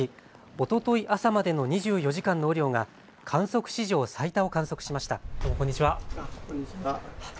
おととい朝までの２４時間の雨量が観測史上最多を観測しました。